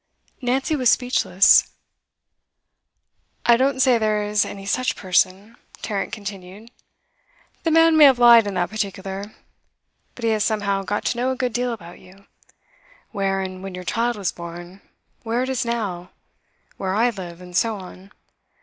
Nancy was speechless. 'I don't say there is any such person,' Tarrant continued. 'The man may have lied in that particular. But he has somehow got to know a good deal about you, where and when your child was born, where it is now, where I live, and so on.